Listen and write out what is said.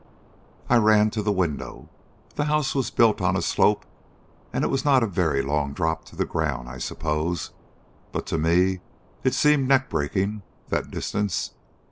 "I ran to the window. The house was built on a slope, and it was not a very long drop to the ground, I suppose. But to me it seemed neck breaking, that distance.